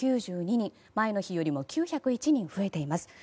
前の日よりも９０１人増えています。